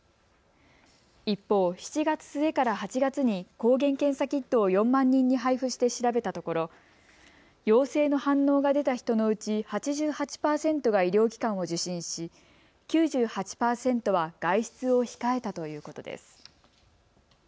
一方、７月末から８月に抗原検査キットを４万人に配布して調べたところ陽性の反応が出た人のうち８８％が医療機関を受診し９８％は外出を控えたということです。